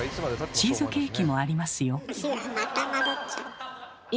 チーズケーキもありますよ。